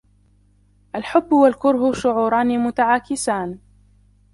الحب و الكره شعوران متعاكسان